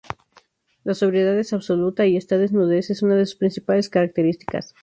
La sobriedad es absoluta y esta desnudez es una de sus principales características.